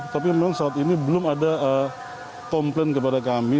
tapi memang saat ini belum ada komplain kepada kami